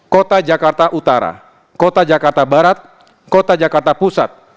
kota jakarta utara kota jakarta barat kota jakarta pusat